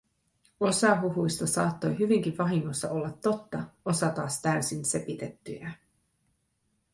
Osa huhuista saattoi hyvinkin vahingossa olla totta, osa taas täysin sepitettyjä.